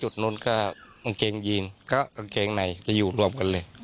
หนุ่นก็เหนื่อยกอังเวียงยีนอังเวียงในอยู่ทั้งรวมกันเลย